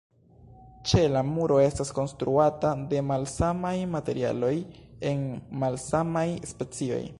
Ĉela muro estas konstruata de malsamaj materialoj en malsamaj specioj.